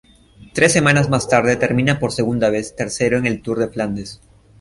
Tres semanas más tarde, termina por segunda vez tercero en el Tour de Flandes.